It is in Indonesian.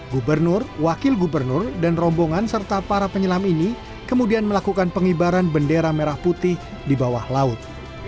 gubernur wakil gubernur dan rombongan serta para penyelam ini kemudian melakukan pengibaran bendera merah putih di bawah laut